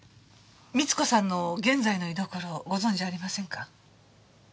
美津子さんの現在の居所をご存じありませんか？